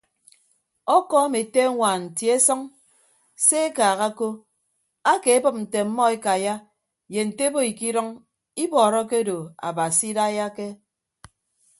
Ọkọọm ete añwaan tie sʌñ se ekaaha ko akeebịp nte ọmmọ ekaiya ye nte ebo ikidʌñ ibọọrọ akedo abasi idaiyake.